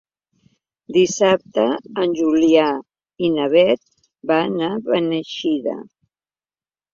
Dissabte en Julià i na Beth van a Beneixida.